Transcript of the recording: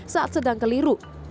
saat sedang keliru